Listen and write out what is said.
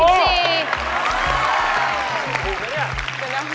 ถูกเหรอเนี่ย